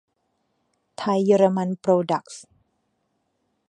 ไทย-เยอรมัน โปรดักส์